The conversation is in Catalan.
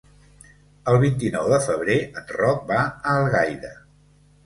El vint-i-nou de febrer en Roc va a Algaida.